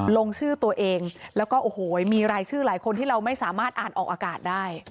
ลงชื่อตัวเองแล้วก็โอ้โหมีรายชื่อหลายคนที่เราไม่สามารถอ่านออกอากาศได้